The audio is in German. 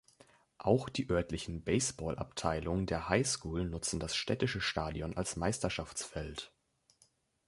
Auch die örtlichen Baseballabteilungen der High School nutzen das Städtische Stadion als Meisterschaftsfeld.